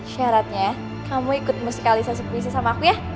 syaratnya kamu ikut musikalisasi bisnis sama aku ya